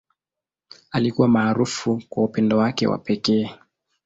Alikuwa maarufu kwa upendo wake wa pekee.